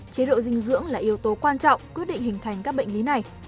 chế độ dinh dưỡng là yếu tố quan trọng quyết định hình thành các bệnh lý này